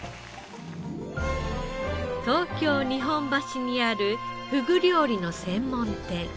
東京日本橋にあるふぐ料理の専門店。